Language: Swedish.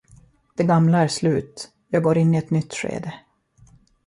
Det gamla är slut, jag går in i ett nytt skede.